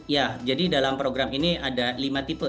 ya jadi dalam program ini ada lima tipe